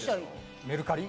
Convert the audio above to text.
メルカリ？